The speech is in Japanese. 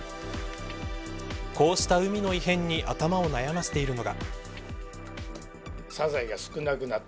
こうした海の異変に対し頭を悩ませているのが。